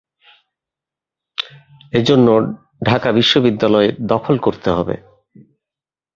এ জন্য ঢাকা বিশ্ববিদ্যালয় দখল করতে হবে।